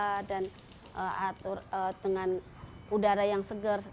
kita bisa membantu warga warga dengan udara yang segar